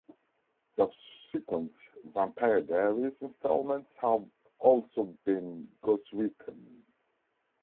Subsequent "Vampire Diaries" installments have also been ghostwritten.